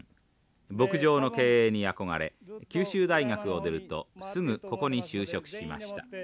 牧場の経営に憧れ九州大学を出るとすぐここに就職しました。